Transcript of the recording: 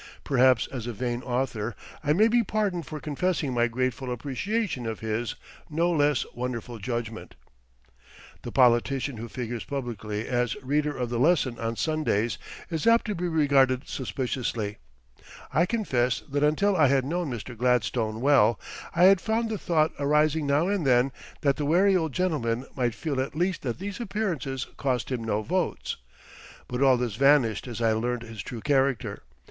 Perhaps as a vain author I may be pardoned for confessing my grateful appreciation of his no less wonderful judgment. [Illustration: Photograph from Underwood & Underwood, N.Y. WILLIAM E. GLADSTONE] The politician who figures publicly as "reader of the lesson" on Sundays, is apt to be regarded suspiciously. I confess that until I had known Mr. Gladstone well, I had found the thought arising now and then that the wary old gentleman might feel at least that these appearances cost him no votes. But all this vanished as I learned his true character.